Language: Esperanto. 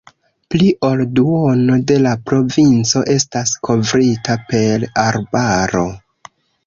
Pli ol duono de la provinco estas kovrita per arbaro.